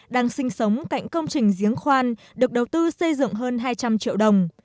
đang sinh sống cạnh công trình giếng khoan được đầu tư xây dựng hơn hai trăm linh triệu đồng